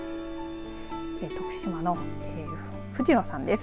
徳島の藤野さんです。